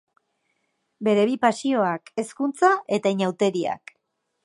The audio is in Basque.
Bere bi pasioak, hezkuntza eta inauteriak.